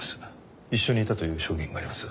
一緒にいたという証言があります。